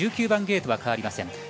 １９番ゲートは変わりません。